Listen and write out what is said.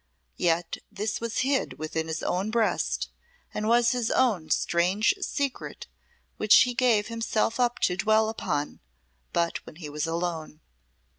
Yet this was hid within his own breast and was his own strange secret which he gave himself up to dwell upon but when he was alone.